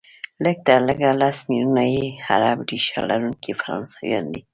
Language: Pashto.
لږ تر لږه لس ملیونه یې عرب ریشه لرونکي فرانسویان دي،